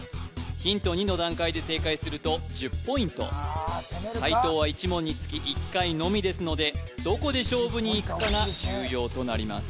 ヒント２の段階で正解すると１０ポイント解答は１問につき１回のみですのでどこで勝負にいくかが重要となります